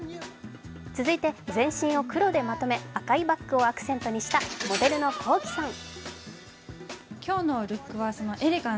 続いて、全身を黒でまとめ赤いバッグをアクセントにしたモデルのＫｏｋｉ，さん。